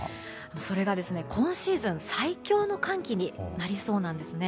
それが、今シーズン最強の寒気になりそうなんです。